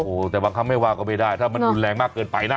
โอ้โหแต่บางครั้งไม่ว่าก็ไม่ได้ถ้ามันรุนแรงมากเกินไปนะ